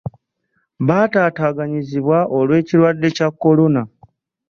Baatataaganyizibwa olw'ekirwadde Kya Corona